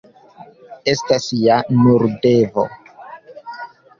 Estas ja nur devo.